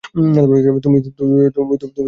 তুমি যাও তো এ-ঘর থেকে।